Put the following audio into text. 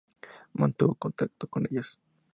Mantuvo contacto con ellos.